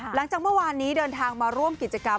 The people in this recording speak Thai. หลังจากเมื่อวานนี้เดินทางมาร่วมกิจกรรม